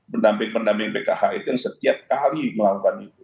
pendamping pendamping bkh itu yang setiap kali melakukan itu